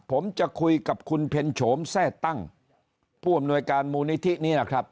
ผมจะคุยกับคุณเพ็ญโฉมแทร่ตั้งผู้อำนวยการมูลนิธินี้นะครับ